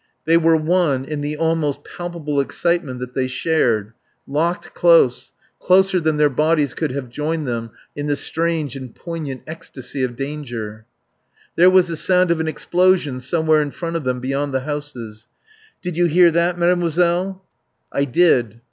They were one in the almost palpable excitement that they shared; locked close, closer than their bodies could have joined them, in the strange and poignant ecstasy of danger. There was the sound of an explosion somewhere in front of them beyond the houses. "Did you hear that, Mademoiselle?" "I did."